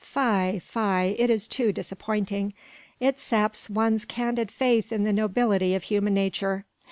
Fie, fie, it is too disappointing. It saps one's candid faith in the nobility of human nature.